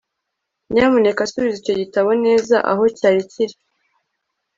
Nyamuneka subiza icyo gitabo neza aho cyari kiri